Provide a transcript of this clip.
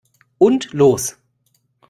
Und los!